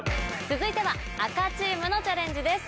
続いては赤チームのチャレンジです。